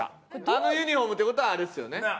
あのユニホームって事はあれですよね？